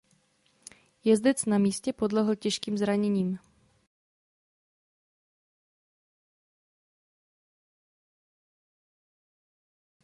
Jezdec na místě podlehl těžkým zraněním.